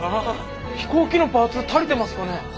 飛行機のパーツ足りてますかね？